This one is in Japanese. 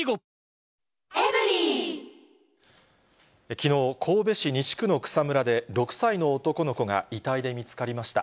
きのう、神戸市西区の草むらで、６歳の男の子が遺体で見つかりました。